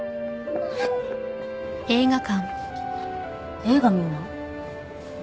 映画見るの？